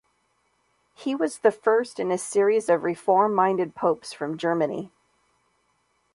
He was the first in a series of reform-minded popes from Germany.